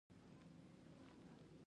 ښتې د افغانستان د سیاسي جغرافیه برخه ده.